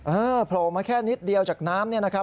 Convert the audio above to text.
โผล่มาแค่นิดเดียวจากน้ำเนี่ยนะครับ